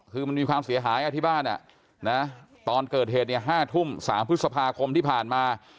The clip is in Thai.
คือมันมีความเสียหายที่บ้านตอนเกิดเหตุเนี่ย๕ทุ่ม๓พฤษภาคมที่ผ่านมา